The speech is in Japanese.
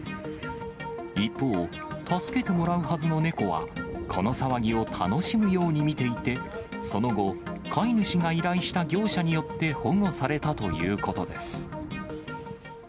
一方、助けてもらうはずの猫は、この騒ぎを楽しむように見ていて、その後、飼い主が依頼した業者によって保護されたということです。